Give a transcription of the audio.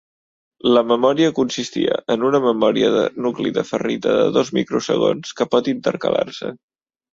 La memòria consistia en una memòria de nucli de ferrita de dos microsegons que pot intercalar-se.